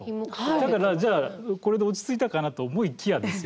だからじゃあこれで落ち着いたかなと思いきやですよ。